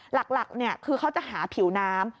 หลักคือเขาจะหาผิวน้ำ